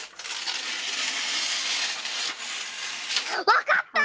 わかった！